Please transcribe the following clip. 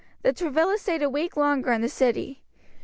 The Travillas staid a week longer in the city.